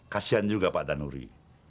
kasian juga pak danuri